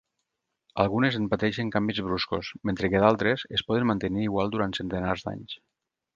Algunes en pateixen canvis bruscos, mentre que d'altres es poden mantenir igual durant centenars d'anys.